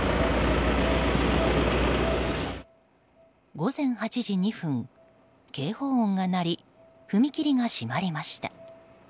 午前８時２分、警報音が鳴り踏切が閉まりました。